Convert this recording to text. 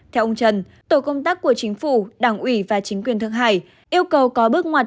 theo ông trần tổ công tác của chính phủ đảng ủy và chính quyền thượng hải yêu cầu có bước ngoặt